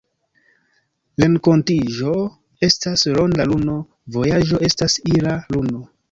Renkontiĝo estas ‘ronda luno’,vojaĝo estas ‘ira luno’.